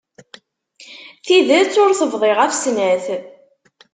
Tidet ur tebḍi ɣef snat.